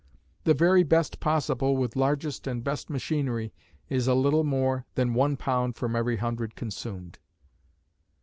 The very best possible with largest and best machinery is a little more than one pound from every hundred consumed.